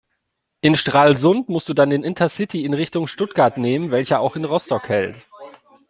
In Stralsund musst du dann den Intercity in Richtung Stuttgart nehmen, welcher auch in Rostock hält.